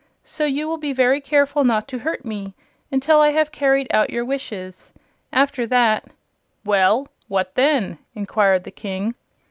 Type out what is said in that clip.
So you will be very careful not to hurt me until I have carried out your wishes. After that " "Well, what then?" inquired the King.